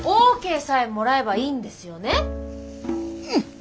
うん。